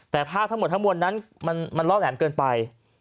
แต่ภาพทั้งหมดทั้งมวลนั้นมันล่อแหลมเกินไป